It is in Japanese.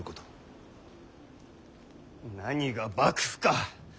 何が幕府か！